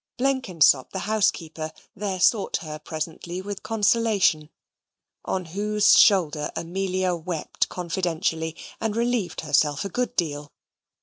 Blenkinsop, the housekeeper, there sought her presently with consolation, on whose shoulder Amelia wept confidentially, and relieved herself a good deal.